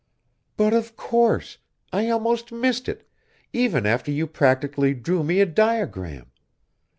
"But of course. I almost missed it, even after you practically drew me a diagram.